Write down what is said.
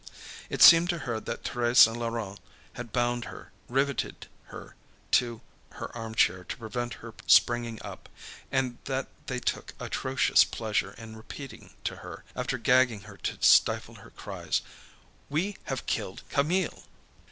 It seemed to her that Thérèse and Laurent had bound her, riveted her to her armchair to prevent her springing up, and that they took atrocious pleasure in repeating to her, after gagging her to stifle her cries "We have killed Camille!"